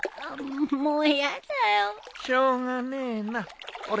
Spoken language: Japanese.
しょうがねえなほれ